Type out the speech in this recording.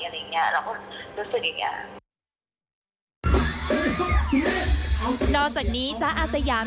ไม่ได้คิดว่าจะหยุดพฤติกรรมเขาหรืออะไร